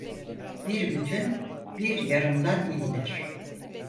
Bir bütün bir yarımdan iyidir.